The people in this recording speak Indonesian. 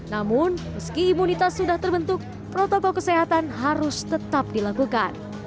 namun meski imunitas sudah terbentuk protokol kesehatan harus tetap dilakukan